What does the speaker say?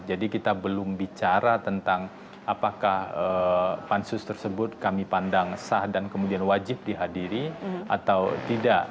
jadi kita belum bicara tentang apakah pansus tersebut kami pandang sah dan kemudian wajib dihadiri atau tidak